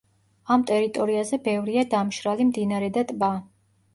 ამ ტერიტორიაზე ბევრია დამშრალი მდინარე და ტბა.